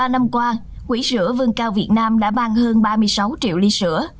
một mươi ba năm qua quỹ sửa vương cao việt nam đã ban hơn ba mươi sáu triệu ly sữa